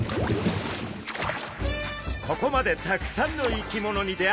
ここまでたくさんの生き物に出会った２人。